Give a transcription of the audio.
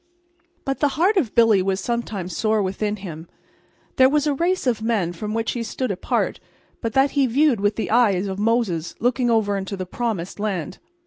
But the heart of Billy was sometimes sore within him. There was a race of men from which he stood apart but that he viewed with the eye of Moses looking over into the promised land.